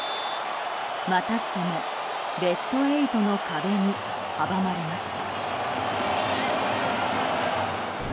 またしてもベスト８の壁に阻まれました。